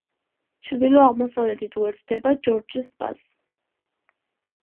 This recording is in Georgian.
ჩრდილო-აღმოსავლეთით უერთდება ჯორჯის ტბას.